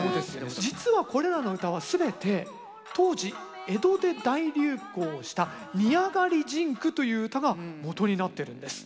実はこれらの唄は全て当時江戸で大流行した「二上り甚句」という唄がもとになってるんです。